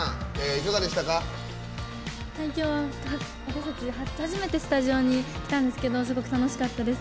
私たち初めてスタジオに来たんですけどすごく楽しかったです。